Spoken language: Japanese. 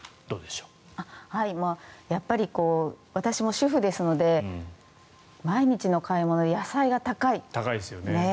やっぱり私も主婦ですので毎日の買い物で野菜が高い。